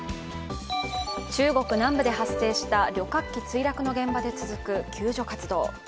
中国南部で発生した旅客機墜落の現場で続く救助活動。